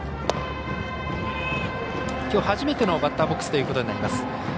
きょう初めてのバッターボックスということになります。